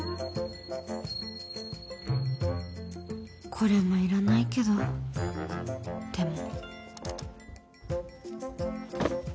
これもいらないけどでも